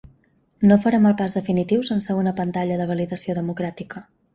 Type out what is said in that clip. No farem el pas definitiu sense una pantalla de validació democràtica.